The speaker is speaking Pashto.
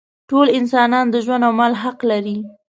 ټول انسانان د ژوند او مال حق لري.